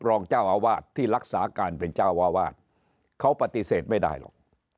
รองเจ้าอาวาสที่รักษาการเป็นเจ้าอาวาสเขาปฏิเสธไม่ได้หรอก